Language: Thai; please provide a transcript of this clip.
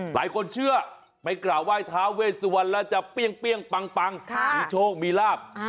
หลายคนเชื่อไปกราบไหว้ท้าเวชสุวรรณแล้วจะเปรี้ยงเปรี้ยงปังปังค่ะมีโชคมีลาบอ่า